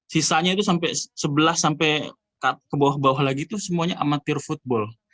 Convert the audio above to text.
sisanya itu sampai sebelas sampai ke bawah bawah lagi itu semuanya amatir football